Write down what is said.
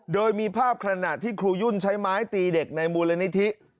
โดยมีภาพขณะที่ครูยุ่นใช้ไม้ตีเด็กในมูลนิธิ